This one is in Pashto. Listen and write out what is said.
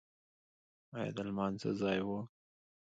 ایا د لمانځه ځای و؟